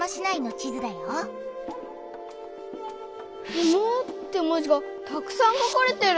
「不毛」って文字がたくさん書かれてる。